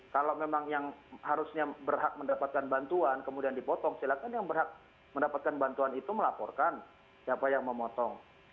kalau memang yang harusnya berhak mendapatkan bantuan kemudian dipotong silahkan yang berhak mendapatkan bantuan itu melaporkan siapa yang memotong